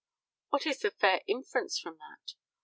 What is the fair inference from that?